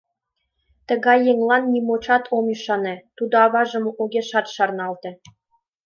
Тыгай еҥлан нимончат ом ӱшане, тудо аважым огешат шарналте.